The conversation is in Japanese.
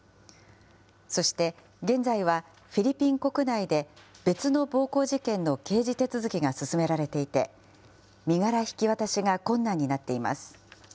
そして現在は、フィリピン国内で別の暴行事件の刑事手続きが進められていて、身柄引き渡しが困難になっています。